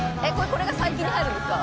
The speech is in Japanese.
これが最近に入るんですか？